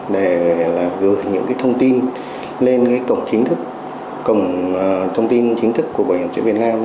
để là gửi những cái thông tin lên cái cổng chính thức cổng thông tin chính thức của bảo hiểm xã hội việt nam